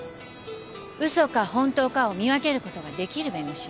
嘘か本当かを見分けることができる弁護士よ。